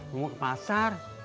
mau ke pasar